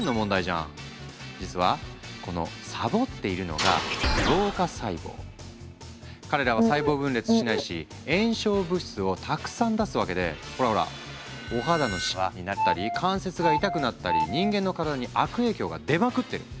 実はこのサボっているのが彼らは細胞分裂しないし炎症物質をたくさん出すわけでほらほらお肌のシワになったり関節が痛くなったり人間の体に悪影響が出まくってる。